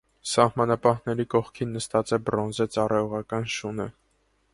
Սահմանապահների կողքին նստած է բրոնզե ծառայողական շունը։